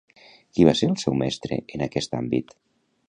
Qui va ser el seu mestre en aquest àmbit?